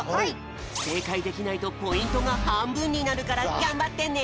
せいかいできないとポイントがはんぶんになるからがんばってね！